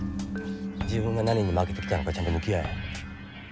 自分が何に負けてきたのかちゃんと向き合え。